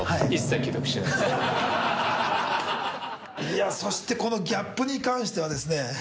いやそしてこのギャップに関してはですね